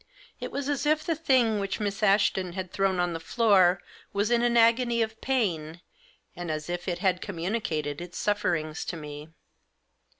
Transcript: It was as if the thing which Miss Ashton had thrown on the floor was in an agony of pain, and as if it had communi cated its sufferings to me.